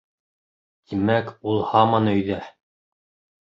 Тимәк, ул һаман өйҙә!